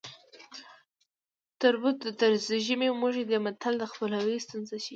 تربور د ترږمې موږی دی متل د خپلوۍ ستونزې ښيي